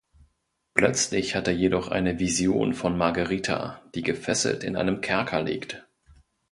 Plötzlich hat er jedoch eine Vision von Margherita, die gefesselt in einem Kerker liegt.